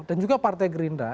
dan juga partai gerindra